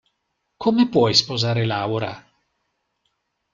Come puoi sposare Laura?